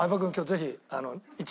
ぜひ！